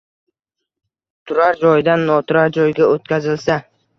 Turar joydan noturar joyga oʼtkazilsa